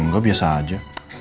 enggak biasa aja